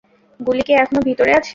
গুলি কি এখনও ভিতরে আছে?